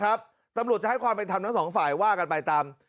ตัมปทัมหลวดจะให้ความแบ่งทำทั้ง๒ฝ่ายว่ากันไปตาม